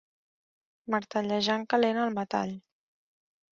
Martellejar en calent el metall.